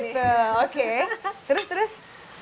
oh gitu oke terus terus